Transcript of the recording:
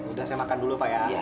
udah saya makan dulu pak ya